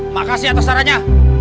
makasih atas sarannya